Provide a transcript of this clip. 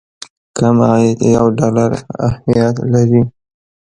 کم عاید یو ډالر اهميت لري.